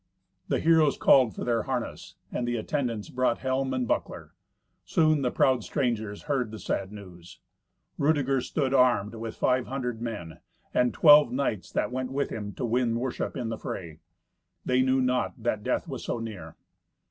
The heroes called for their harness, and the attendants brought helm and buckler. Soon the proud strangers heard the sad news. Rudeger stood armed with five hundred men, and twelve knights that went with him, to win worship in the fray. They knew not that death was so near.